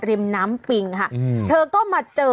ริมน้ำปิงค่ะเธอก็มาเจอ